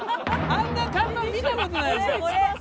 あんな看板見た事ないもん。